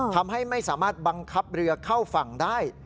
ทำให้ไม่สามารถบังคับเรือเข้าฝั่งได้